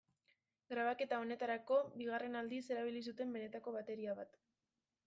Grabaketa honetarako, bigarren aldiz erabili zuten benetako bateria bat.